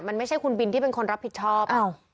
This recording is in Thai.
มันไม่ใช่คุณบินที่เป็นคนรับผิดชอบ